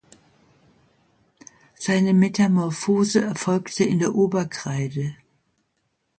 Seine Metamorphose erfolgte in der Oberkreide.